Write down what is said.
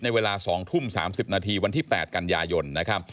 ในเวลา๒ทุ่ม๓๐นาทีวันที่๘กันยายน